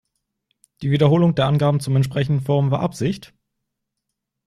Die Wiederholung der Angaben zum entsprechenden Forum war Absicht?